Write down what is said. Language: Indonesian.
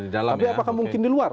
tapi apakah mungkin di luar